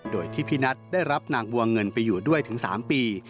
โดยที่พี่นัทได้รับนางบัวเงินไปอยู่ด้วยถึง๓ปี